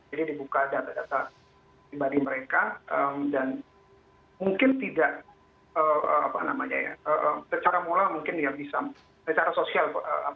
jadi dibuka data data pribadi mereka dan mungkin tidak secara moral mungkin ya bisa secara sosial